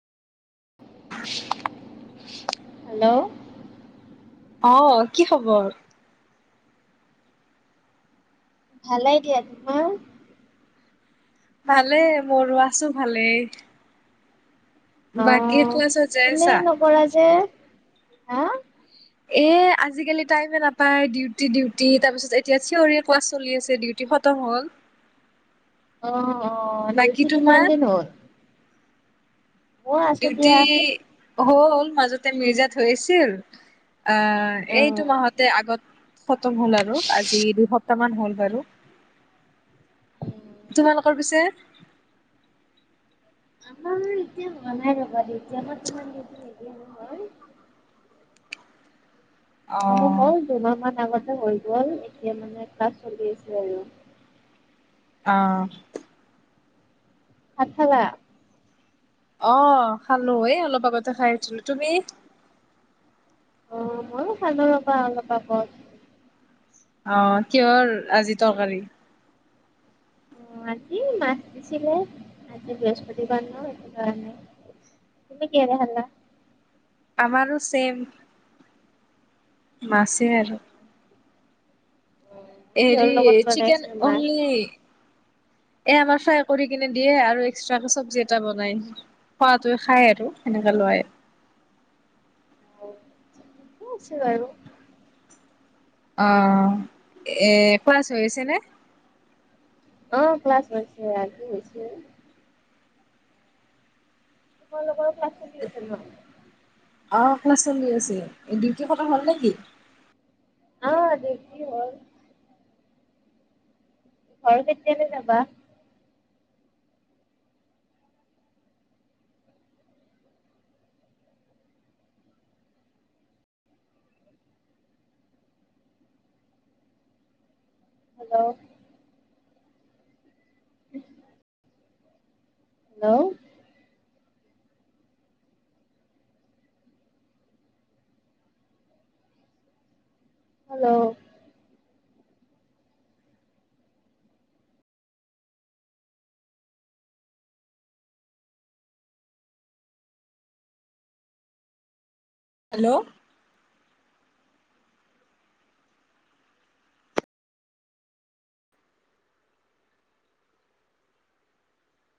Hello. অহ কি খবৰ! ভালে দিয়া তোমাৰ। ভালে মোৰো আছো ভালেই। বাকী অ'। ক্লাচত যাই ফোনেই আছা। নকৰা যে হা? এ আজিকালি টাইমে নাপায় ডিউটি ডিউটি তাৰ পিছত এতিয়া চিঞৰি ক্লাছ চলি আছে ডিউটি হব খতম হ'ল। অ অ বাকী ডিউতি কিমান তোমাৰ দিন হ'ল। মই আছোঁ ডিউটি দিয়া। হল মাজতে মিৰ্জাত হৈ আছিল। অ এইটো অ'। মাহতে আগত খতম হ'ল আৰু আজি দুহপ তামান হ'ল বাৰু। তোমালোকৰ পিছে। আমাৰ এতিয়া মনাই যব এতিয়া আমাৰ তোমাৰ নিদিয়ে নহয়। [unintelligible] মানে হ'ল অ', দুমাহমান আগত। হৈ গল এতিয়া মানে ক্লাছ চলি আছে আৰু। অ। ভাত খালা। অ খালো এই অলপ আগতে খাই উঠিলো তুমি অ মইয়ো ৰবা অলপ আগত অহ কিহৰ আজি তৰকাৰী অ আজি মাছ দিছিলে আজি বৃহস্পতি বাৰো সেইটো কাৰণে তুমি কিহেৰে খালা আমাৰো ছেম মাছে আৰু হৰি কিহৰ লগত চিকেন বনাইছিল মাছ? অনলি এ আমাৰ ফ্ৰাই কৰি কিনে দিয়ে আৰু এক্সট্ৰাকে চব্জি এটা বনাই খোৱাতোয়ে খাই আৰু সেনেকা লয় কি আছে বাৰু অ এ ক্লাচ হৈ আছে নে অ ক্লাছ হৈছে আজি হৈছে তোমালোকৰ ক্লাছ চলি আছে নাই অ ক্লাছ চলি আছে ডিউটি কথা হ'ল নেকি অ ডিউতি হল ঘৰ কেতিয়াকে যাবা hello um hello hello hello